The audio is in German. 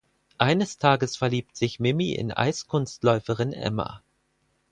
Eines Tages verliebt sich Mimmi in Eiskunstläuferin Emma.